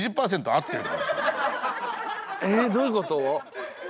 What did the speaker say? えっどういうこと？